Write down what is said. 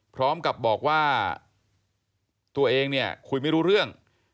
พร้อมกับบอกว่าตัวเองเนี่ยคุยไม่รู้เรื่อง